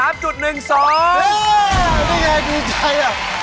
นี่ไงดีใจอ่ะ